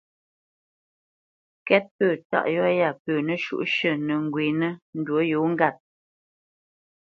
Kɛ́t pə̂ tâʼ yɔ̂ yâ pə nəshǔʼshʉ̂ nə́ ŋgwênə ndǔ yǒ ŋgât.